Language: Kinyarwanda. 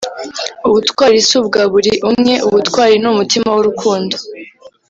Ubutwari si ubwa buri umwe ubutwari ni umutima w’urukundo